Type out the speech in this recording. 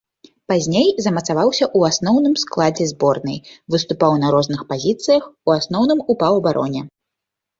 Пазней замацаваўся ў асноўным складзе зборнай, выступаў на розных пазіцыях, у асноўным у паўабароне.